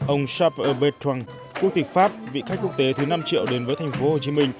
ông charles bertrand quốc tịch pháp vị khách quốc tế thứ năm triệu đến với tp hcm